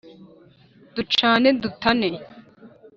ducane dutane!